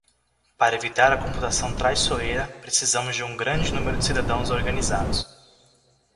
Para evitar a computação traiçoeira, precisamos de um grande número de cidadãos organizados.